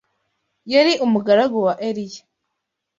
Yari umugaragu wa Eliya